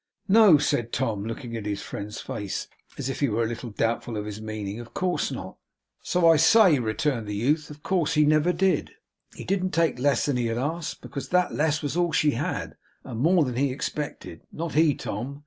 'No,' said Tom, looking into his friend's face, as if he were a little doubtful of his meaning. 'Of course not.' 'So I say,' returned the youth, 'of course he never did. HE didn't take less than he had asked, because that less was all she had, and more than he expected; not he, Tom!